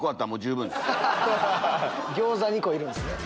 餃子２個いるんすね。